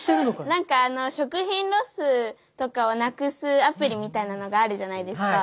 なんか食品ロスとかを無くすアプリみたいなのがあるじゃないですか。